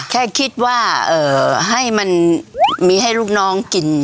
แค่คิดว่าให้มันมีให้ลูกน้องกิน